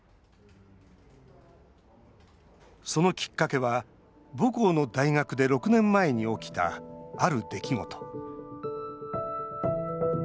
そのきっかけは、母校の大学で６年前に起きた、ある出来事。